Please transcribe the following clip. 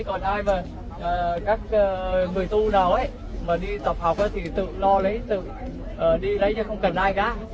còn ai mà các người tu nào ấy mà đi tập học thì tự lo lấy tự đi lấy chứ không cần ai cả